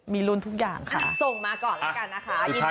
ขอบคุณท่านหนึ่งล้านบาทครั้งต่อไป